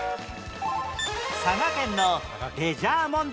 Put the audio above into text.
佐賀県のレジャー問題